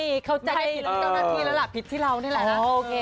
ไม่ได้ผิดละ๙นาทีแล้วล่ะผิดที่เรานี่แหละนะ